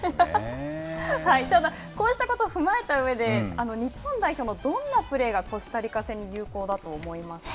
ただ、こうしたことを踏まえた上で日本代表のどんなプレーがコスタリカ戦に有効だと思います